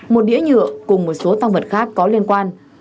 một đĩa nhựa cùng một số tăng vật khác có liên quan